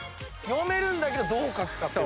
読めるんだけどどう書くかって。